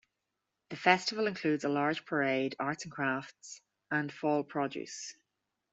The festival includes a large parade, arts and crafts, and Fall produce.